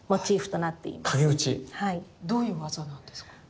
どういう技なんですか？